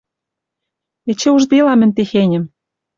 Эче ужделам мӹнь техеньӹм